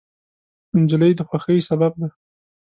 نجلۍ د خوښۍ سبب ده.